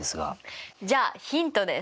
じゃあヒントです！